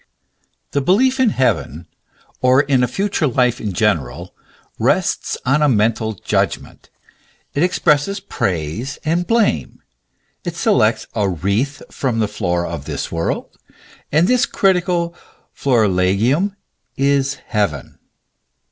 The belief in heaven, or in a future life in general, rests on a mental judgment. It expresses praise and blame; it selects a wreath from the Flora of this world, and this critical flori legium is heaven.